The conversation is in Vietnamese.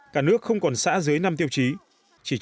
cả nước không còn xã dưới năm tiêu chí